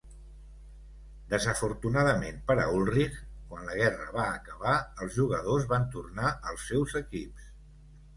Desafortunadament per a Ullrich, quan la guerra va acabar, els jugadors van tornar als seus equips.